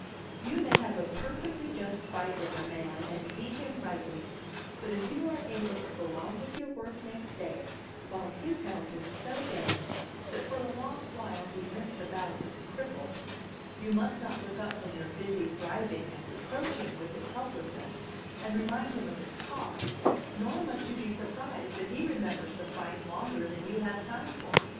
"You may have a perfectly just fight with a man and beat him rightly; but if you are able to go on with your work next day, while his health is so damaged that for a long while he limps about as a cripple, you must not look up from your busy thriving and reproach him with his helplessness, and remind him of its cause; nor must you be surprised that he remembers the fight longer than you have time for.